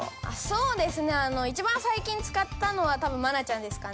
そうですね一番最近使ったのは多分愛菜ちゃんですかね。